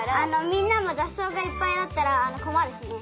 みんなもざっそうがいっぱいあったらこまるしね。